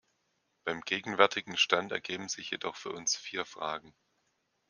Beim gegenwärtigen Stand ergeben sich jedoch für uns vier Fragen.